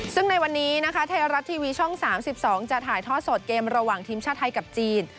ซึ่งในวันนี้นะคะไทยรัฐทีวีช่อง๓๒จะถ่ายทอดสดเกมระหว่างทีมชาติไทยกับจีน